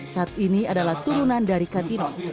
sat ini adalah turunan dari katin